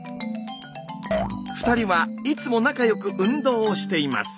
２人はいつも仲良く運動をしています。